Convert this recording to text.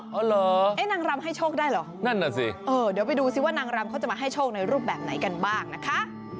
เหรอเอ๊ะนางรำให้โชคได้เหรอนั่นน่ะสิเออเดี๋ยวไปดูสิว่านางรำเขาจะมาให้โชคในรูปแบบไหนกันบ้างนะคะ